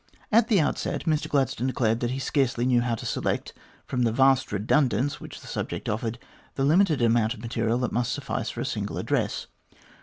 At the outset, Mr Gladstone declared that he scarcely knew how to select, from the vast redun dance which the subject offered, the limited amount of material that must suffice for a single address.